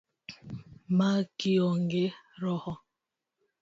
Ma kionge roho?